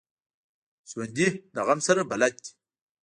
ژوندي له غم سره بلد دي